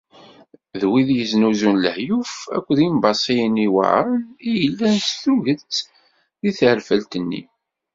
D wid yeznuzun lehyuf akked yembaṣiyen yuεren i yellan s tuget deg terfelt-nni.